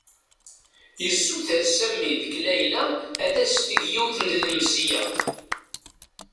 Yessuter Sami deg Layla ad as-d-teg yiwet n lemzeyya.